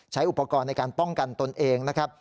ใช้อุปกรณ์ในการป้องกันตนเองนะครับ